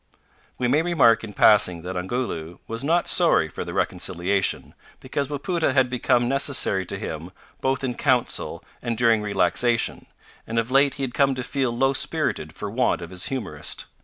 We may remark, in passing, that Ongoloo was not sorry for the reconciliation, because Wapoota had become necessary to him both in council and during relaxation, and of late he had come to feel low spirited for want of his humourist.